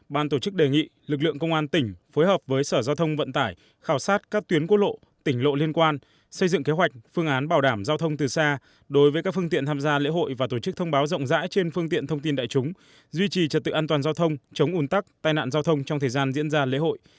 ban tổ chức đề nghị lực lượng công an tỉnh phối hợp với sở giao thông vận tải khảo sát các tuyến quốc lộ tỉnh lộ liên quan xây dựng kế hoạch phương án bảo đảm giao thông từ xa đối với các phương tiện tham gia lễ hội và tổ chức thông báo rộng rãi trên phương tiện thông tin đại chúng duy trì trật tự an toàn giao thông chống ủn tắc tai nạn giao thông trong thời gian diễn ra lễ hội